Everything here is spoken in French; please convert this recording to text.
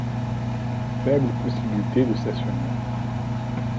Faible possibilité de stationnement.